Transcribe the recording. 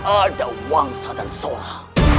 ada wangsa dan sora